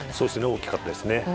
大きかったですね。